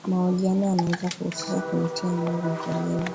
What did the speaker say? mahojiano yanaweza kuhusisha kumtia moyo mkulima